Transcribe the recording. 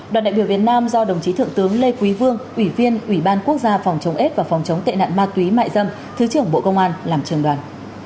đoàn đại biểu việt nam do đồng chí thượng tướng lê quý vương ủy viên ủy ban quốc gia phòng chống s và phòng chống tệ nạn ma túy mại dâm thứ trưởng bộ công an làm trường đoàn